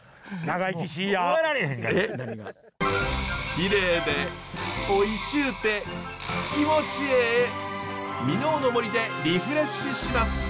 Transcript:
きれいでおいしゅうて気持ちええ箕面の森でリフレッシュします！